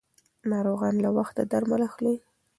ناروغان له وخته درمل اخلي.